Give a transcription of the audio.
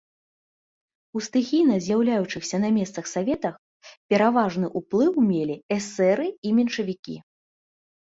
У стыхійна з'яўляючыхся на месцах саветах пераважны ўплыў мелі эсэры і меншавікі.